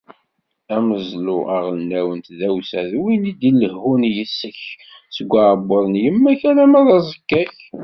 Ameẓlu aɣelnaw n tdawsa d win i d-ilehhun yess-k seg uεebbuḍ n yemma-k alamma d aẓekka-k.